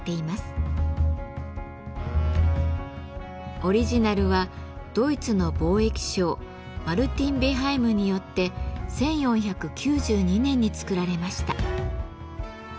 オリジナルはドイツの貿易商マルティン・ベハイムによって１４９２年に作られました。